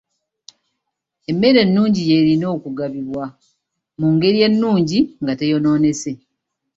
Emmere ennungi y'erina okugabibwa mu ngeri ennungi nga teyonoonese.